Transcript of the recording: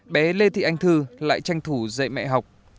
bé lê thị anh thư lại tranh thủ dạy mẹ học